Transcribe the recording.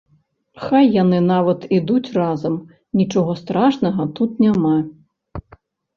Хай яны нават ідуць разам, нічога страшнага тут няма.